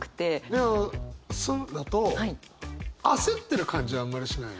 でも「すん」だと焦ってる感じあんまりしないね。